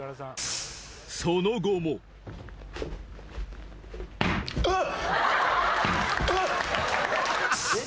その後もうあっ！